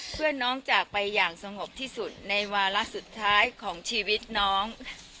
เพื่อนน้องจากไปอย่างสงบที่สุดในวาระสุดท้ายของชีวิตน้อง